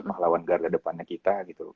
pahlawan garda depannya kita gitu